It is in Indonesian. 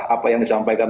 apa yang disampaikan